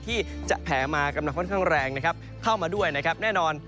ที่จะแผลมากำลังค่อนข้างแรงนะครับเข้ามาด้วยนะครับแน่นอน